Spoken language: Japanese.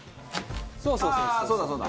そうそうそうそう。